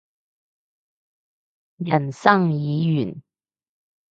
人生已完